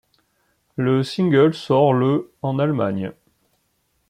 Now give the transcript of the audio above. Le single sort le en Allemagne.